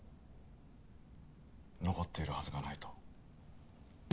残っているはずがないと？